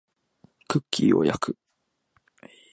クッキーを焼く